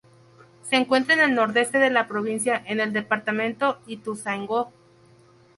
Se encuentra en el nordeste de la provincia, en el departamento Ituzaingó.